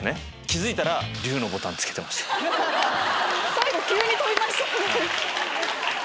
最後急に飛びましたね。